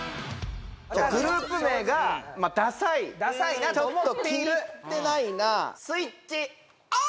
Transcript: グループ名がダサいちょっと聞いてないなあスイッチオン！